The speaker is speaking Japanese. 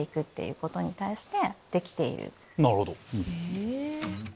なるほど。